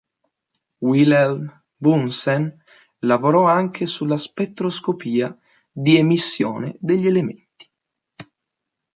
Wilhelm Bunsen lavorò anche sulla spettroscopia di emissione degli elementi.